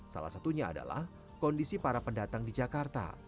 salah satunya adalah kondisi para pendatang di jakarta